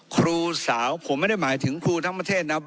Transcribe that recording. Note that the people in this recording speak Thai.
ครูสาวผมไม่ได้หมายถึงครูทั้งประเทศนะ